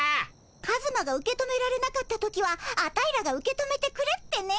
カズマが受け止められなかった時はアタイらが受け止めてくれってね。